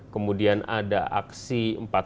kemudian ada aksi empat ratus